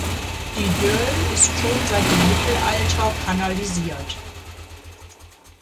Die Deûle ist schon seit dem Mittelalter kanalisiert.